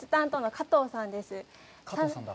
加藤さんだ。